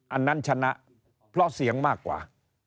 อันนั้นชนะเพราะเสียงมากกว่า